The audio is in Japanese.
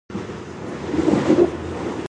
割るだけココア